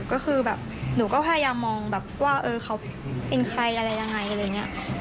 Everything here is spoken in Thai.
ก็คือหนูก็พยายามมองว่าเขาเป็นใครอะไรอย่างนี้